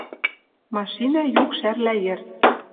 Машина юк шӓрлӓ йӹр.